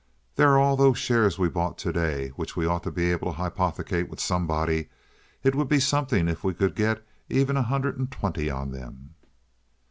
There's all those shares we bought to day which we ought to be able to hypothecate with somebody. It would be something if we could get even a hundred and twenty on them."